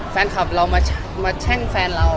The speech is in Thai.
แฟนคลับเรามาแช่งแฟนเรา